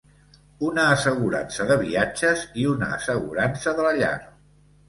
Una assegurança de viatges i una assegurança de la llar.